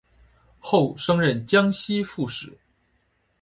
后升任江西副使。